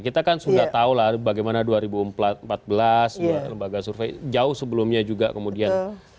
kita kan sudah tahu lah bagaimana dua ribu empat belas lembaga survei jauh sebelumnya juga kemudian